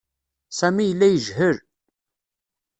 Sami yella yejhel.